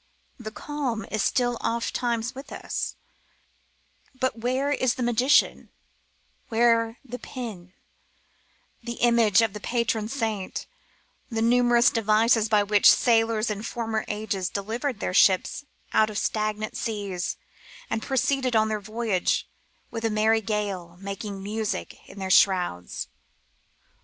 The calm is still ofttimes with us ; but where is the magician, where the Pin, the image of the patron saint, the numerous devices by which sailors in former ages delivered their ships out of stagnant seas and proceeded on their voyage with a merry gale making music in their shrouds